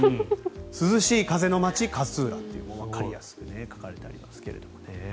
涼しい風の街、勝浦っていうわかりやすく書かれてありますけどね。